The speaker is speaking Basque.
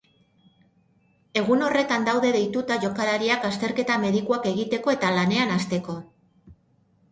Egun horretan daude deituta jokalariak azterketa medikuak egiteko eta lanean hasteko.